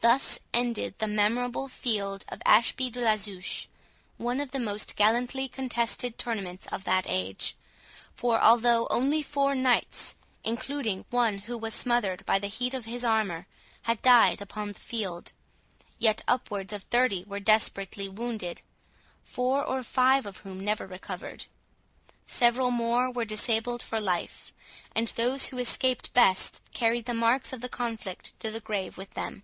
Thus ended the memorable field of Ashby de la Zouche, one of the most gallantly contested tournaments of that age; for although only four knights, including one who was smothered by the heat of his armour, had died upon the field, yet upwards of thirty were desperately wounded, four or five of whom never recovered. Several more were disabled for life; and those who escaped best carried the marks of the conflict to the grave with them.